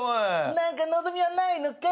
「何か望みはないのかい？」